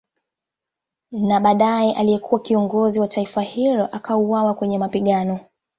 Na badae aliyekuwa kiongozi wa taifa hilo akauwawa kwenye mapigano